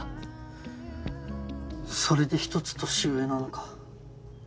それで１つ年上なのか。